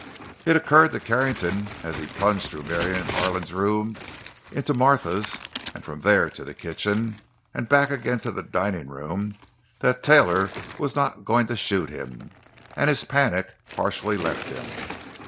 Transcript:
It occurred to Carrington as he plunged through Marion Harlan's room into Martha's, and from there to the kitchen, and back again to the dining room, that Taylor was not going to shoot him, and his panic partially left him.